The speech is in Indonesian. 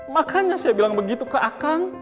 makanya saya bilang begitu ke akang